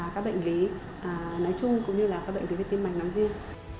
các bệnh lý nói chung cũng như là các bệnh lý về tim mạch làm riêng